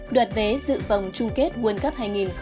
đoạt vé dự vòng chung kết world cup hai nghìn hai mươi